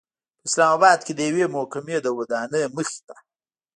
په اسلام آباد کې د یوې محکمې د ودانۍمخې ته